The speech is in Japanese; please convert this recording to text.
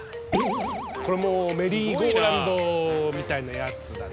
これもメリーゴーラウンドみたいなやつだな。